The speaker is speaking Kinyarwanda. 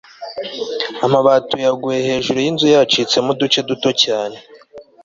amabati yaguye hejuru yinzu yacitsemo uduce duto cyane